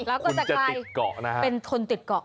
แล้วก็จะใครเป็นทนติดเกาะ